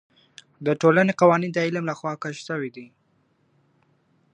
د ټولنې قوانین د علم له خوا کشف سوي دي.